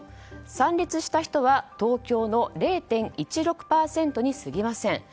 参列した人は東京の０．１６％にすぎません。